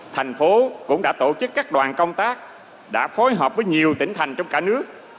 thành phố cũng đã tổ chức các đoàn công tác đã phối hợp với nhiều tỉnh thành trong cả nước